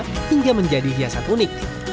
hingga menjadi hiasan unik